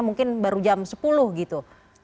mungkin baru jam sepuluh gitu